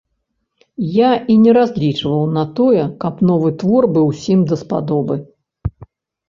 Я і не разлічваў на тое, каб новы твор быў усім даспадобы.